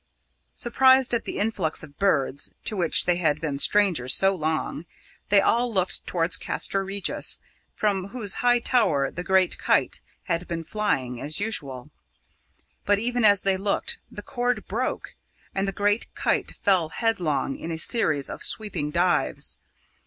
Surprised at the influx of birds, to which they had been strangers so long, they all looked towards Castra Regis, from whose high tower the great kite had been flying as usual. But even as they looked, the cord broke, and the great kite fell headlong in a series of sweeping dives.